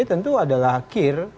tentu adalah kir